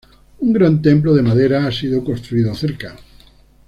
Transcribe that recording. Un gran templo de madera ha sido construido cerca.